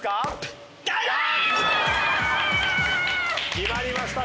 決まりました。